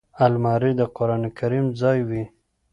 الماري د قران کریم ځای وي